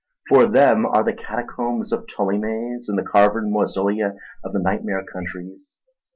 For them are the catacombs of Ptolemais, and the carven mausolea of the nightmare countries.